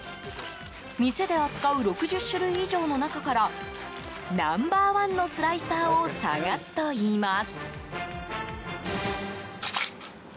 店で扱う６０種類以上の中からナンバー１のスライサーを探すといいます。